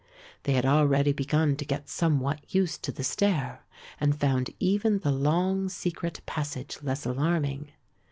They had already begun to get somewhat used to the stair and found even the long secret passage less alarming.